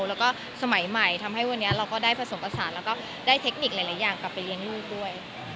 แล้วก็สมัยใหม่ทำให้วันนี้เราก็ได้ผสมผสานแล้วก็ได้เทคนิคหลายอย่างกลับไปเลี้ยงลูกด้วย